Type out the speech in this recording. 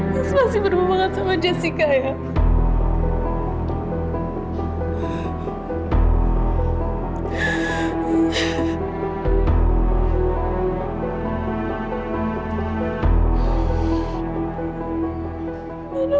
mas masih bersemangat sama jessica ya